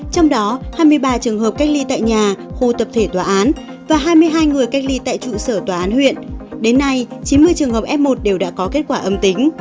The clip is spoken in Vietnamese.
trong đó hai mươi ba trường hợp cách ly tại nhà khu tập thể tòa án và hai mươi hai người cách ly tại trụ sở tòa án huyện đến nay chín mươi trường hợp f một đều đã có kết quả âm tính